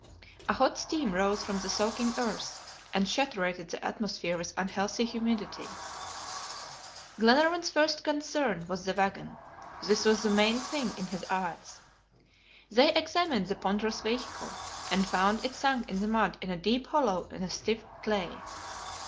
A hot steam rose from the soaking earth, and saturated the atmosphere with unhealthy humidity. Glenarvan's first concern was the wagon; this was the main thing in his eyes. They examined the ponderous vehicle, and found it sunk in the mud in a deep hollow in the stiff clay.